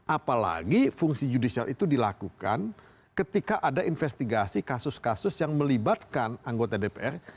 apalagi fungsi judicial itu dilakukan ketika ada investigasi kasus kasus yang melibatkan anggota dpr